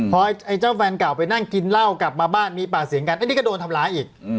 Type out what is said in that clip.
พอไอ้เจ้าแฟนเก่าไปนั่งกินเหล้ากลับมาบ้านมีปากเสียงกันอันนี้ก็โดนทำร้ายอีก